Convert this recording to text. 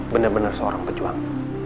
bener bener seorang pejuang